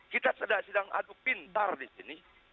kita sedang adu pintar di sini